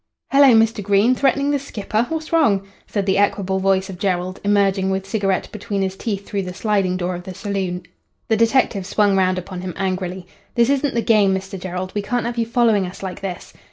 "Hello, Mr. Green. Threatening the skipper? What's wrong?" said the equable voice of Jerrold, emerging with cigarette between his teeth through the sliding door of the saloon. The detective swung round upon him angrily. "This isn't the game, Mr. Jerrold. We can't have you following us like this."